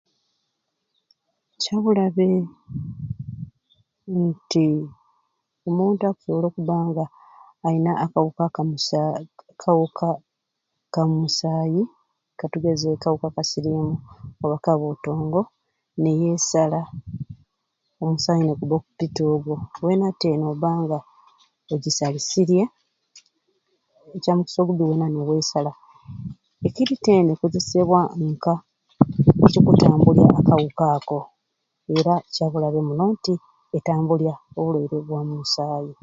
Kyabulabe nti omuntu okusobola okuba nga ayina akawuka ka musayi kawuku ka mu musayi tugeza nka kawuka la sirimu oba okabotongo niyesala omusayi neguba oku kirita eyo wena te noba nga ogyisalisirye ekyamukisa ogubi wena niwesala ekirita eni ekozesebwa nka ekitubanbulya akawuka ako era kyabule muno nti etambulya obulwaire bwa mu musayi